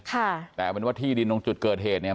ค่ะแต่เอาเป็นว่าที่ดินตรงจุดเกิดเหตุเนี่ย